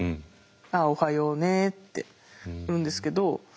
「ああおはようね」って言うんですけど。